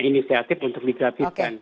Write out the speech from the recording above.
inisiatif untuk digratiskan